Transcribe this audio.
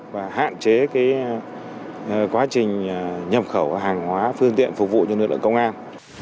và hạn chế quá trình nhập khẩu hàng hóa phương tiện phục vụ cho lực lượng công an